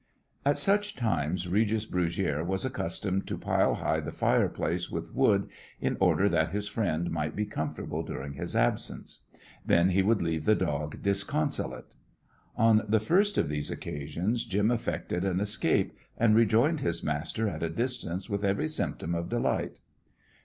At such times Regis Brugiere was accustomed to pile high the fireplace with wood in order that his friend might be comfortable during his absence. Then he would leave the dog disconsolate. On the first of these occasions Jim effected an escape, and rejoined his master at a distance with every symptom of delight.